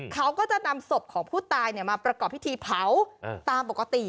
เขาก็จะนำศพของผู้ตายมาประกอบพิธีเผาตามปกติ